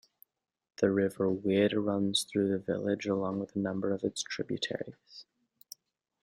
The River Wid runs through the village, along with a number of its tributaries.